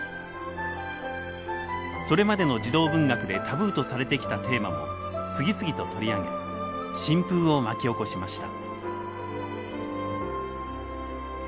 それまでの児童文学でタブーとされてきたテーマも次々と取り上げ新風を巻き起こしました。